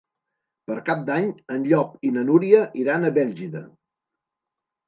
Per Cap d'Any en Llop i na Núria iran a Bèlgida.